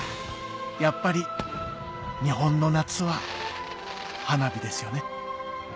やっぱり日本の夏は花火ですよね